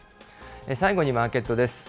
最後にマーケットです。